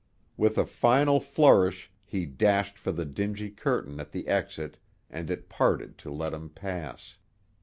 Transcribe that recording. With a final flourish he dashed for the dingy curtain at the exit and it parted to let him pass.